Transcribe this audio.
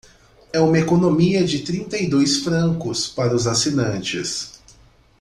É uma economia de trinta e dois francos para os assinantes.